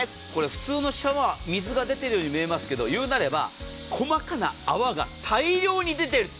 普通のシャワー水が出ているように見えますがいうなれば細かな泡が大量に出ている。